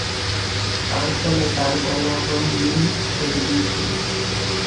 তার ফলে তার গলার রং নীল হয়ে গিয়েছিল।